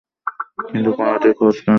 কিন্তু কণাটির খোঁজ আজও মেলেনি।